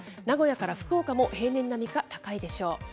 名古屋から福岡も平年並みか高いでしょう。